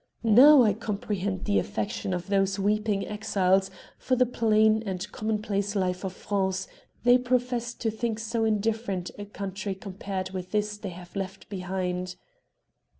Now I comprehend the affection of those weeping exiles for the very plain and commonplace life of France they profess to think so indifferent a country compared with this they have left behind.